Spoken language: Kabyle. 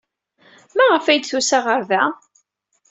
Maɣef ay d-tusa ɣer da?